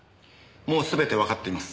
もうすべてわかっています。